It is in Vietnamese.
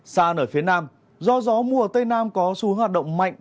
xa nở phía nam do gió mùa tây nam có xu hướng hoạt động mạnh